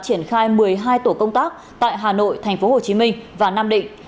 triển khai một mươi hai tổ công tác tại hà nội tp hồ chí minh và nam định